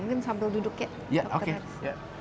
mungkin sambil duduk ya dr aris